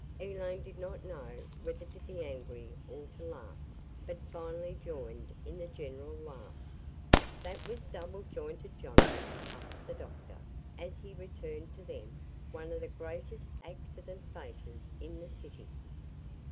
Elaine did not know whether to be angry or to laugh, but finally joined in the general laugh. "That was Double Jointed Johnnie," puffed the doctor, as he returned to them, "one of the greatest accident fakers in the city."